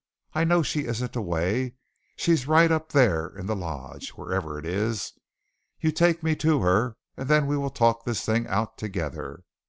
I know she isn't away. She's right up there in the lodge, wherever it is. You take me to her and then we will talk this thing out together.